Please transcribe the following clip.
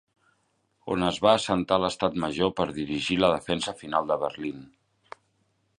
On es va assentar l'estat major per dirigir la defensa final de Berlín.